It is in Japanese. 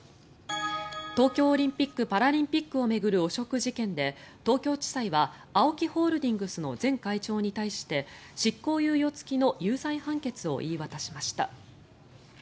東京オリンピック・パラリンピックを巡る汚職事件で東京地裁はＡＯＫＩホールディングスの前会長に対して執行猶予付きの有罪判決を言い渡しました。